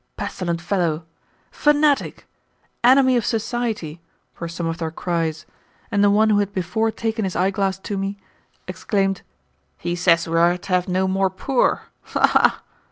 "Pestilent fellow!" "Fanatic!" "Enemy of society!" were some of their cries, and the one who had before taken his eyeglass to me exclaimed, "He says we are to have no more poor. Ha! ha!"